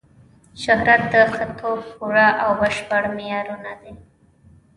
شهرت د ښه توب پوره او بشپړ معیار نه دی.